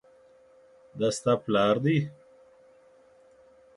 دا ستا پلار دی؟